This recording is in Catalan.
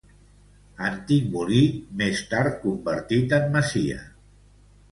Antic molí, més tard convertit en masia.